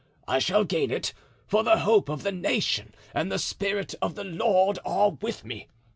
I shall gain it, for the hope of the nation and the Spirit of the Lord are with me.